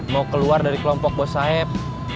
mau keluar dari kelompok bos sahib